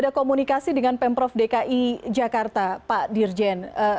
ada komunikasi dengan pemprov dki jakarta pak dirjen